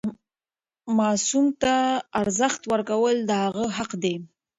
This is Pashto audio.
ماسوم ته ارزښت ورکول د هغه حق دی.